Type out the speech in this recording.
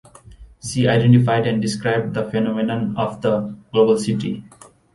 She identified and described the phenomenon of the "global city".